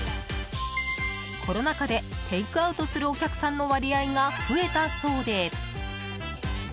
コロナ禍でテイクアウトするお客さんの割合が増えたそうで。